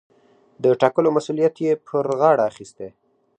د ټاکلو مسووليت يې پر غاړه اخىستى.